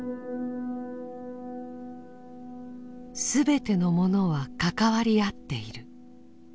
すべてのものは関わり合っている。